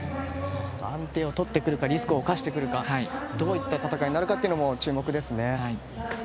安定をとってくるかリスクを冒してくるかどういった戦いになってくるかも注目ですね。